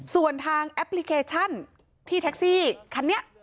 ส่วนทางแอปพลิเคชันที่แท็กซี่คันนี้